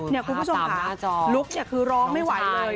นี่คุณผู้ชมค่ะลุกคือร้องไม่ไหวเลย